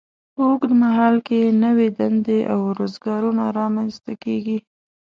په اوږد مهال کې نوې دندې او روزګارونه رامینځته کیږي.